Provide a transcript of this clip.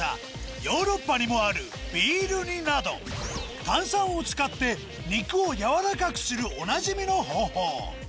ヨーロッパにもあるビール煮など炭酸を使って肉をやわらかくするおなじみの方法